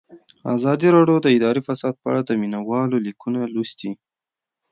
ازادي راډیو د اداري فساد په اړه د مینه والو لیکونه لوستي.